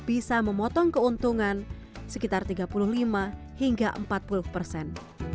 bisa memotong keuntungan sekitar tiga puluh lima hingga empat puluh persen